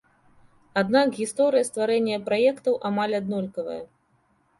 Аднак гісторыя стварэння праектаў амаль аднолькавая.